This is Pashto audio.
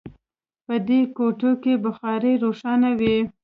په دې کوټو کې بخارۍ روښانه وي